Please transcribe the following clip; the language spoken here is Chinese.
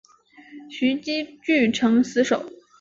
徐揖据城死守。